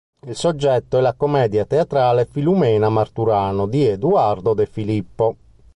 Il soggetto è la commedia teatrale "Filumena Marturano" di Eduardo De Filippo.